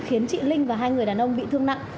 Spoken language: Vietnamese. khiến chị linh và hai người đàn ông bị thương nặng